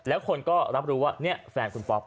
แล้วคนก็รับรู้ว่านี่แฟนคุณป๊อป